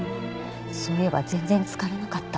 そういえば全然疲れなかった。